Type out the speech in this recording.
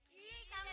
iiih kamu jadi